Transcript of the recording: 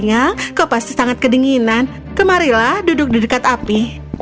ya kau pasti sangat kedinginan kemarilah duduk di dekat api